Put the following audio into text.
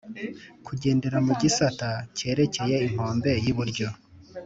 Kugendera mu gisate kerekeye inkombe y’iburyo